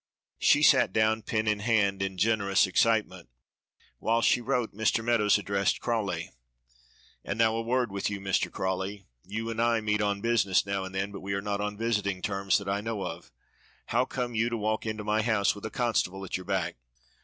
She sat down, pen in hand, in generous excitement. While she wrote Mr. Meadows addressed Crawley. "And now a word with you, Mr. Crawley. You and I meet on business now and then, but we are not on visiting terms that I know of. How come you to walk into my house with a constable at your back?"